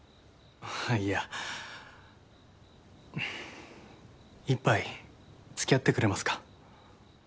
いや一杯付き合ってくれますか？